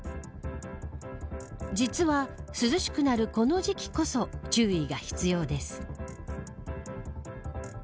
実は、涼しくなるこの時期こそ注意が必要です。